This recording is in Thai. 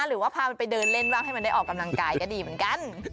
หรือว่าพามันไปเดินเล่นบ้างให้มันได้ออกกำลังกายก็ดีเหมือนกัน